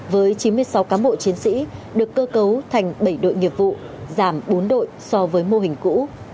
với chín mươi sáu cán bộ chiến sĩ được cơ cấu thành bảy đội nghiệp vụ giảm bốn đội so với mô hình cũ